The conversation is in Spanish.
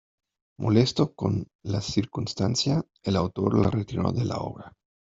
Molesto con la circunstancia el autor la retiró de la obra.